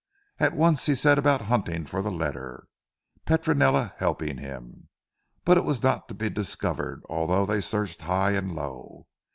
At once he set about hunting for the letter, Petronella helping him. But it was not to be discovered although they searched high and low.